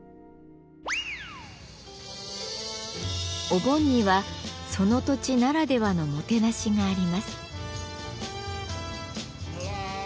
お盆にはその土地ならではのもてなしがあります。